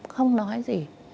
không nói gì